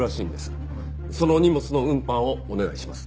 その荷物の運搬をお願いします。